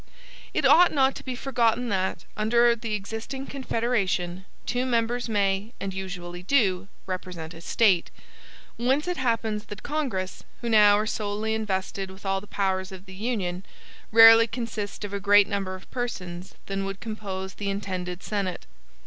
It ought not to be forgotten that, under the existing Confederation, two members may, and usually do, represent a State; whence it happens that Congress, who now are solely invested with all the powers of the Union, rarely consist of a greater number of persons than would compose the intended Senate.